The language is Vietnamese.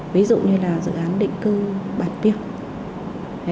ví dụ như là dự án định cư bản piêng